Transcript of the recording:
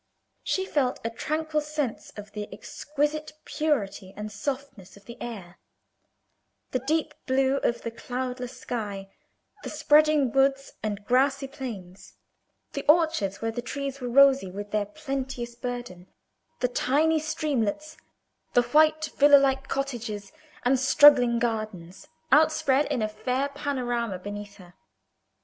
She felt a tranquil sense of the exquisite purity and softness of the air, the deep blue of the cloudless sky, the spreading woods and grassy plains, the orchards, where the trees were rosy with their plenteous burden, the tiny streamlets, the white villa like cottages and struggling gardens, outspread in a fair panorama beneath her.